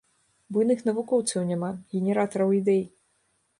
Буйных навукоўцаў няма, генератараў ідэй.